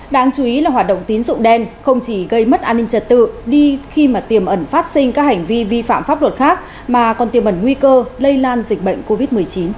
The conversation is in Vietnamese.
đáng chú ý là hoạt động tín dụng đen không chỉ gây mất an ninh trật tự đi khi mà tiềm ẩn phát sinh các hành vi vi phạm pháp luật khác mà còn tiềm ẩn nguy cơ lây lan dịch bệnh covid một mươi chín